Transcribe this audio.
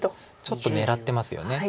ちょっと狙ってますよね。